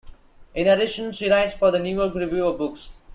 In addition, she writes for the "New York Review of Books".